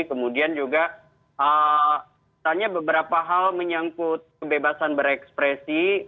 kemudian juga tanya beberapa hal menyangkut kebebasan berekspresi